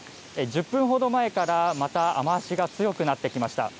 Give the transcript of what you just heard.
１０分ほど前から、また雨足が強くなってきました。